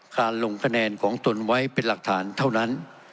ลงคะแนนของตนไว้เป็นหลักฐานเท่านั้น